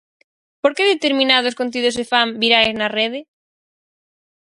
Por que determinados contidos se fan virais na rede?